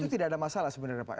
itu tidak ada masalah sebenarnya pak